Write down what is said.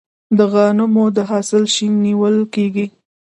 د غنمو د حاصل جشن نیول کیږي.